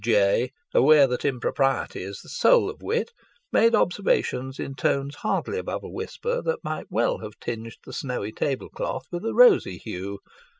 Jay, aware that impropriety is the soul of wit, made observations in tones hardly above a whisper that might well have tinged the snowy tablecloth with a rosy hue.